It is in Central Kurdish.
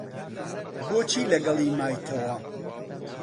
بۆچی لەگەڵی مایتەوە؟